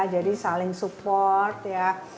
jadi saling support ya